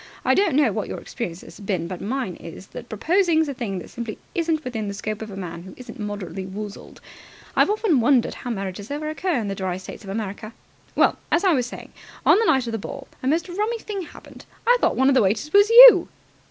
I don't know what your experience has been, but mine is that proposing's a thing that simply isn't within the scope of a man who isn't moderately woozled. I've often wondered how marriages ever occur in the dry States of America. Well, as I was saying, on the night of the ball a most rummy thing happened. I thought one of the waiters was you!"